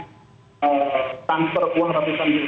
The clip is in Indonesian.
so misalnya ada beberapa pertanyaan